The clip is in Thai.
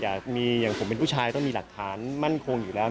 อย่างมีอย่างผมเป็นผู้ชายต้องมีหลักฐานมั่นคงอยู่แล้ว